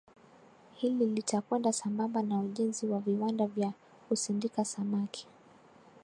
Hili linakwenda sambamba na ujenzi wa viwanda vya kusindika samaki